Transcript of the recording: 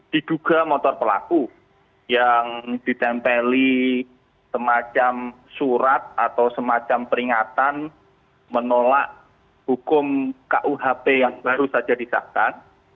diduga motor pelaku yang ditempeli semacam surat atau semacam peringatan menolak hukum kuhp yang baru saja disahkan